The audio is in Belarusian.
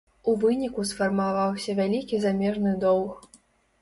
У выніку сфармаваўся вялікі замежны доўг.